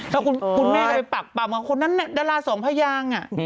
แล้วคุณแม่ก็ไปปากว่าคนนั้นเนี่ยดาราสองพยาง